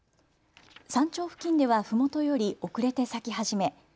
山頂付近ではふもとより遅れて咲き始め